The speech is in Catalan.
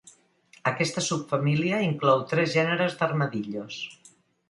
Aquesta subfamília inclou tres gèneres d'armadillos.